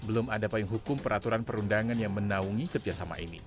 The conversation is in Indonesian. belum ada payung hukum peraturan perundangan yang menaungi kerjasama ini